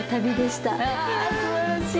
わすばらしい！